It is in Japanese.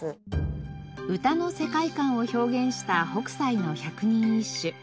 歌の世界観を表現した北斎の百人一首。